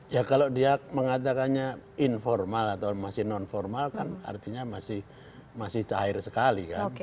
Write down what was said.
ya kalau dia mengatakannya informal atau masih non formal kan artinya masih cair sekali kan